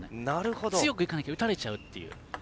強くいかなきゃ打たれちゃうっていう。